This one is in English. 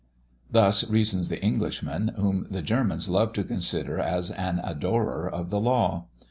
Thus reasons the Englishman, whom the Germans love to consider as an adorer of the law.